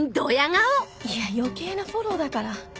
いや余計なフォローだから